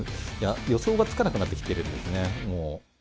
予想がつかなくなってきてるんですね、もう。